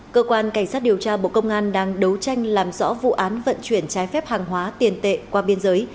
cơ quan cảnh sát điều tra bộ công an đang đấu tranh làm rõ vụ án vận chuyển trái phép hàng hóa tiền tệ qua biên giới